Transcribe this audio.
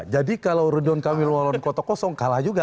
jadi kalau ridwan kamil walau kota kosong kalah juga